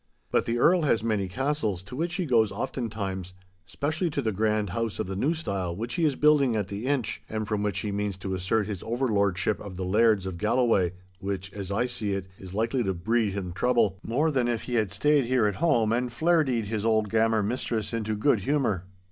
But the Earl has many castles, to which he goes oftentimes—specially to the grand house of the new style which he is building at the Inch, and from which he means to assert his overlordship of the Lairds of Galloway, which, as I see it, is likely to breed him trouble—more than if he had stayed here at home and flairdied his old gammer mistress into good humour.